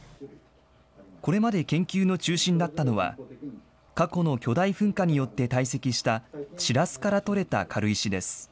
これまで研究の中心だったのは、過去の巨大噴火によって堆積したシラスから取れた軽石です。